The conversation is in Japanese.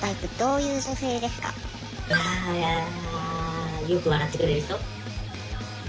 いやよく笑ってくれる人。